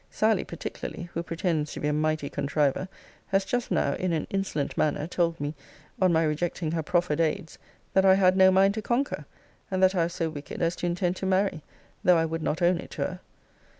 Sally, particularly, who pretends to be a mighty contriver, has just now, in an insolent manner, told me, on my rejecting her proffered aids, that I had no mind to conquer; and that I was so wicked as to intend to marry, though I would not own it to her.